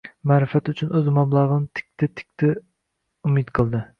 Ma’rifat uchun o‘z mablag‘ini tikdi-tikdi, umid qildi.